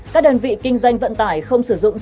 các đơn vị kinh doanh vận tải không sử dụng nông sản